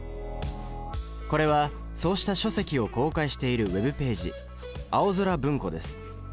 これはそうした書籍を公開しているＷｅｂページ青空文庫です。